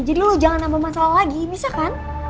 jadi lo jangan nambah masalah lagi bisa kan